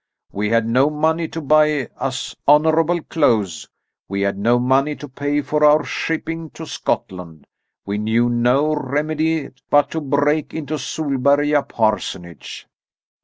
We had no money to buy us honourable clothes. We had no money to pay for our shipping to Scotland. We knew no remedy but to break into Solberga parsonage."